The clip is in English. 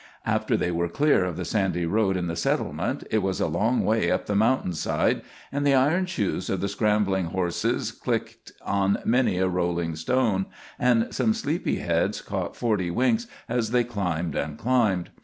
After they were clear of the sandy road in the settlement, it was a long way up the mountain side, and the iron shoes of the scrambling horses clicked on many a rolling stone, and some sleepy heads caught forty winks as they climbed and climbed.